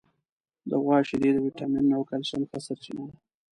د غوا شیدې د وټامینونو او کلسیم ښه سرچینه ده.